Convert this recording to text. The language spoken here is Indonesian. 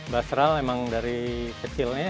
bastral emang dari kecilnya